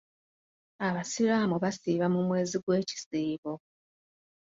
Abasiraamu basiiba mu mwezi gw'ekisiibo.